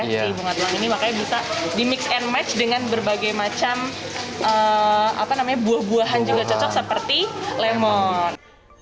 jadi bunga telang ini makanya bisa dimix and match dengan berbagai macam buah buahan juga cocok seperti lemon